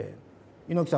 「猪木さん